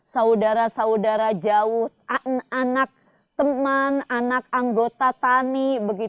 saudara saudara jauh anak teman anak anggota tani